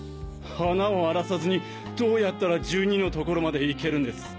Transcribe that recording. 花を荒らさずにどうやったら「１２」の所まで行けるんです？